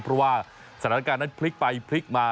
เพราะว่าสถานการณ์นั้นพลิกไปพลิกมา